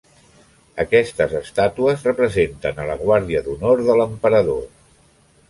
Aquestes estàtues representen a la guàrdia d'honor de l'emperador.